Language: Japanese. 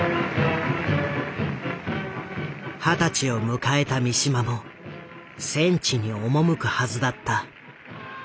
二十歳を迎えた三島も戦地に赴くはずだった。